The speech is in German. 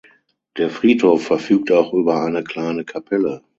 Der Friedhof verfügt auch über eine kleine Kapelle.